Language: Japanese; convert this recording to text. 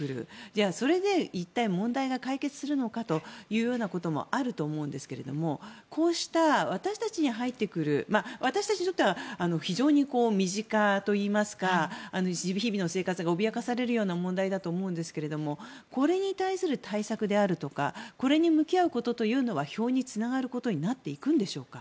じゃあ、それで一体問題が解決するのかということもあると思うんですけどこうした私たちに入ってくる私たちにとっては非常に身近といいますか日々の生活が脅かされるような問題だと思うんですけどこれに対する対策であるとかこれに向き合うことというのは票につながることになっていくんでしょうか？